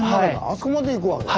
あそこまでいくわけ？